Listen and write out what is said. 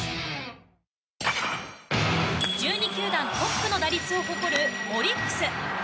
１２球団トップの打率を誇るオリックス。